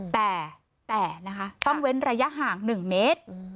แต่แต่นะคะต้องเว้นระยะห่างหนึ่งเมตรอืม